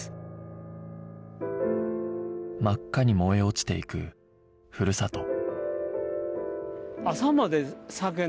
真っ赤に燃え落ちていくふるさと